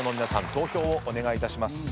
投票をお願いいたします。